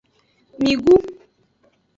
Migu.